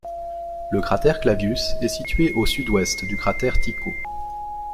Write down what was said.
Le cratère Clavius est situé au sud ouest du cratère Tycho.